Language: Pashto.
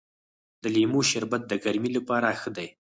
د لیمو شربت د ګرمۍ لپاره ښه دی.